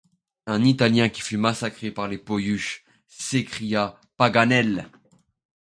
Un Italien qui fut massacré par les Poyuches? s’écria Paganel.